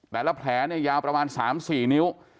แต่ละแผลเนี่ยยาวประมาณ๓๔นิ้ว